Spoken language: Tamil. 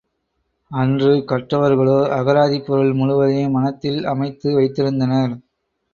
அன்று, கற்றவர்களோ அகராதிப் பொருள் முழுவதையும் மனத்தில் அமைத்து வைத்திருந்தனர்.